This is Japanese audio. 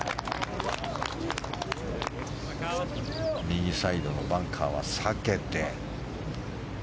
右サイドのバンカーは避けて。